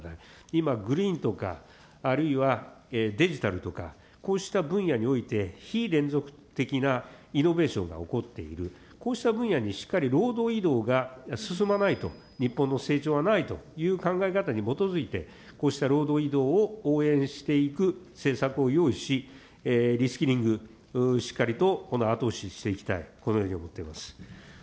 今、グリーンとか、あるいはデジタルとか、こうした分野において、非連続的なイノベーションが起こっている、こうした分野にしっかり労働移動が進まないと、日本の成長はないという考え方に基づいて、こうした労働移動を応援していく施策を用意し、リスキリング、しっかりと後押ししていきたい、このように思っています。